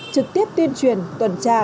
trực tiếp tuyên truyền tuần tra